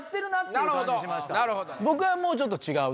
僕はもうちょっと違う。